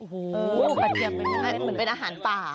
เหมือนอาหารป่า